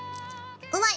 うまい！